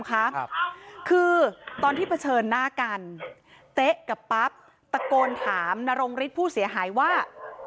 คือตอนที่เผชิญหน้ากันเต๊ะกับปั๊บตะโกนถามนรงฤทธิ์ผู้เสียหายว่า